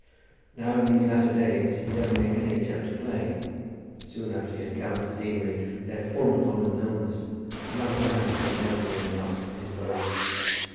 Now in these latter days he never made any attempt to play. Soon after he had come to the deanery there had fallen upon him an illness, and after that he had never again asked for his bow.